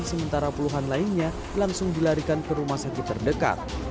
sementara puluhan lainnya langsung dilarikan ke rumah sakit terdekat